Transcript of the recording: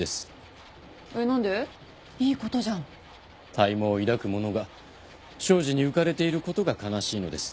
大望を抱く者が小事に浮かれていることが悲しいのです。